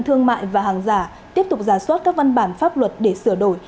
thương mại và hàng giả tiếp tục giả soát các văn bản pháp luật để sửa đổi